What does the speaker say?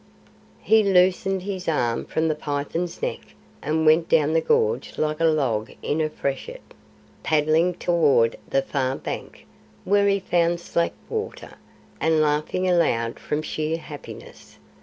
He loosed his arm from the python's neck and went down the gorge like a log in a freshet, paddling toward the far bank, where he found slack water, and laughing aloud from sheer happiness.